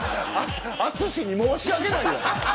淳に申し訳ない。